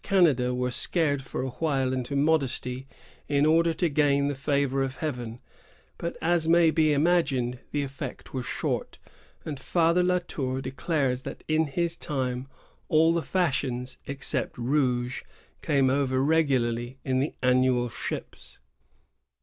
Canada were scared for a while into modesty in order to gain the favor of Heaven ; but, as may be imagined, the effect was short, and Father La Tour declares that in his time all the fashions except rouge came over regularly in the annual ships.